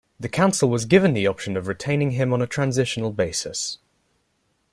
The council was given the option of retaining him on a transitional basis.